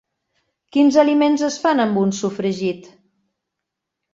Quins aliments es fan amb un sofregit?